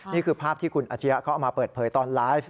นี่คือภาพที่คุณอาชียะเขาเอามาเปิดเผยตอนไลฟ์